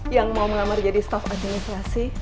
yang mau mengamar jadi staff administrasi